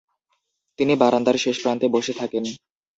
তিনি বারান্দার শেষপ্রান্তে বসে থাকেন।